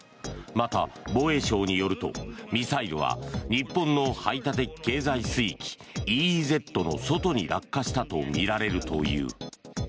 また、防衛省によるとミサイルは日本の排他的経済水域・ＥＥＺの外に落下したとみられるという。